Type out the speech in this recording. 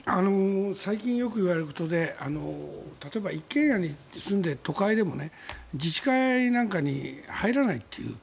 最近よく言われることで例えば一軒家に住んで都会でも自治会なんかに入らないという。